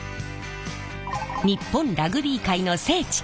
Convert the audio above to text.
日本ラグビー界の聖地